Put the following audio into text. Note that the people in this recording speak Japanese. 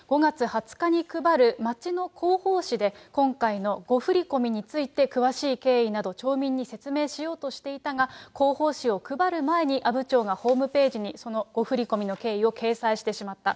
５月２０日に配る町の広報誌で、今回の誤振り込みについて、詳しい経緯など、町民に説明しようとしていたが、広報紙を配る前に、阿武町がホームページにその誤振り込みの経緯を掲載してしまった。